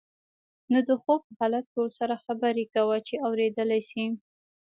نو د خوب په حالت کې ورسره خبرې کوه چې اوریدلی شي.